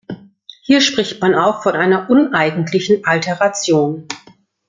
Hier spricht man auch von einer "uneigentlichen Alteration.